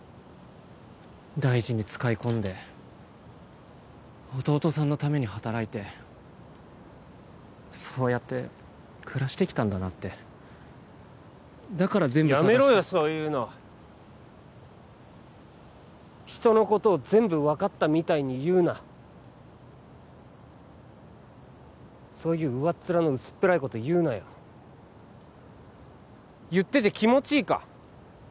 大事に使い込んで弟さんのために働いてそうやって暮らしてきたんだなってだから全部捜しやめろよそういうの人のことを全部分かったみたいに言うなそういう上っ面の薄っぺらいこと言うなよ言ってて気持ちいいか？